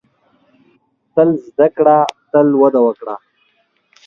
• تل زده کړه، تل وده وکړه.